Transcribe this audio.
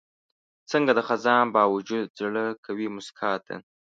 څنګه د خزان باوجود زړه کوي موسکا ته؟